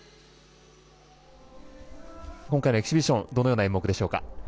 今回のエキシビションどのような演目でしょうか。